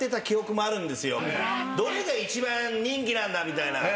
どれが一番人気なんだみたいな。